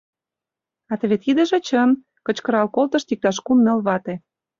— А теве тидыже чын! — кычкырал колтышт иктаж кум-ныл вате.